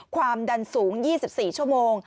ความดันสูง๒๔ชั่วโมง